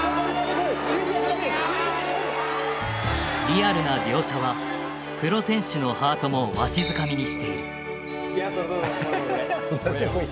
リアルな描写はプロ選手のハートもわしづかみにしている。